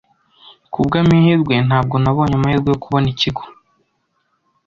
Kubwamahirwe, ntabwo nabonye amahirwe yo kubona ikigo.